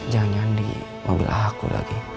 jangan di mobil aku lagi